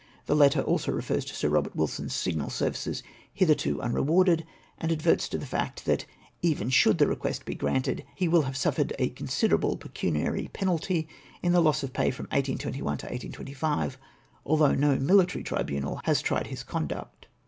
The letter also refers to Sir Eobert Wilson's signal services hitherto tin rewarded, and adverts to the fact, that even should the request be granted he will have suffered a considerable pecuniary penalty in the loss of pay from 1821 to 1825, al though no military tribunal has tried his conduct.